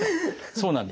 そうなんです。